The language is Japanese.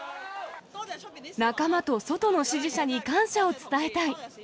仲間と外の支持者に感謝を伝えたい。